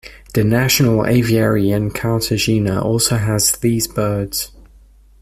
The National Aviary in Cartagena also has these birds.